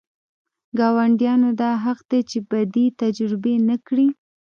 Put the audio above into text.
ګاونډیانو دا حق دی چې بدي تجربه نه کړي.